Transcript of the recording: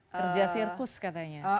kerja sirkus katanya